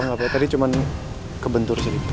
nggak apa apa tadi cuma kebentur sedikit